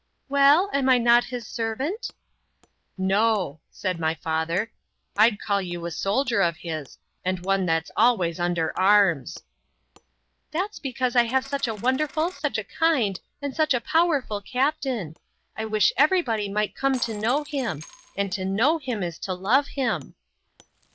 "Well, am I not His servant?" "No!" said my father, "I'd call you a soldier of His, and one that's always under arms!" "That's because I have such a wonderful, such a kind, and such a powerful Captain. I wish everybody might come to know Him! And to know Him is to love Him!"